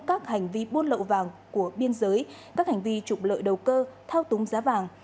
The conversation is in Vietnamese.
các hành vi buôn lậu vàng của biên giới các hành vi trục lợi đầu cơ thao túng giá vàng